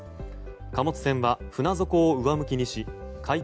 貨物船は船底を上向きにし海底